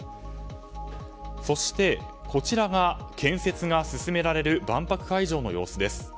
そして、こちらが建設が進められる万博会場の様子です。